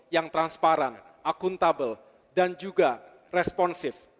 yang transparan akuntabel dan juga responsif